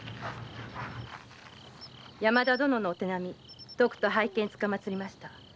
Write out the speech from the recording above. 山田殿のお手並みとくと拝見つかまつりました。